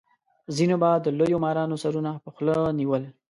ځینو به د لویو مارانو سرونه په خوله نیول.